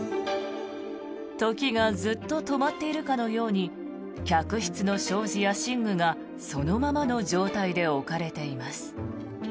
時がずっと止まっているかのように客室の障子や寝具がそのままの状態で置かれています。